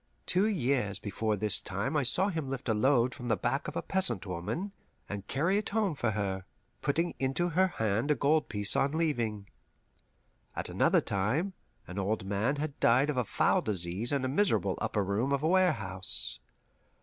Two years before this time I saw him lift a load from the back of a peasant woman and carry it home for her, putting into her hand a gold piece on leaving. At another time, an old man had died of a foul disease in a miserable upper room of a warehouse.